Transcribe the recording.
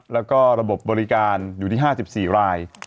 แล้วก็ระบบบริการอยู่ที่๕๔ราย